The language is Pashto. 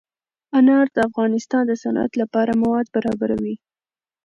انار د افغانستان د صنعت لپاره مواد برابروي.